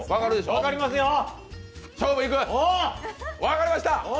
分かりました。